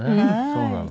そうなの。